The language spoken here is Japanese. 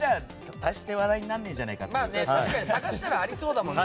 確かに探したらありそうだもんね。